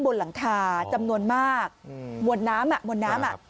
บนหลังคาจำนวนมากอืมมวลน้ำอ่ะมวลน้ำอ่ะ